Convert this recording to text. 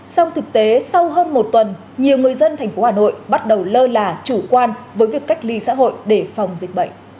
song thực tế sau hơn một tuần nhiều người dân thành phố hà nội bắt đầu lơ là chủ quan với việc cách ly xã hội để phòng dịch bệnh